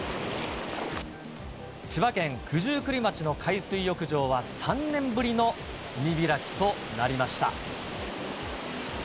千葉県九十九里町の海水浴場は３年ぶりの海開きとなりました。